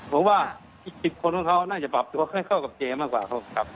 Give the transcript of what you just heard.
ผมว่าอีก๑๐คนของเขาน่าจะปรับตัวให้เข้ากับเจมากกว่าเขาครับ